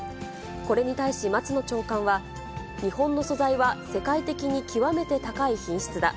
これに対し、松野長官は、日本の素材は世界的に極めて高い品質だ。